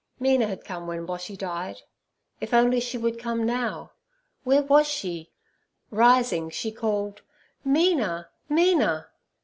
Mina had come when Boshy died; if only she would come now! Where was she? Rising, she called, 'Mina, Mina!'